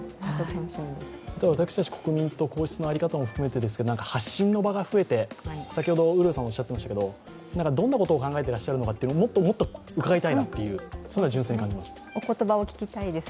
私たち国民と皇室の在り方も含めてですが、発信の場が増えて、先ほどおっしゃっていましたけれども、どんなことを考えていらっしゃるのか、もっともと伺いたいなというのは純粋に感じます。